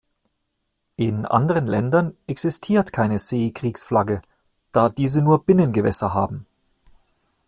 In anderen Ländern existiert keine Seekriegsflagge, da diese nur Binnengewässer haben.